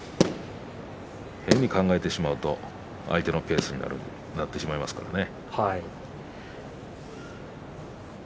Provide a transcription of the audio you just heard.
変に考えてしまうと相手のペースになってしまいますからね。